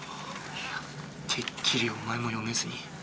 いやてっきりお前も読めずに。